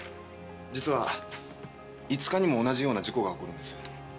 実は５日にも同じような事故が起こるんです。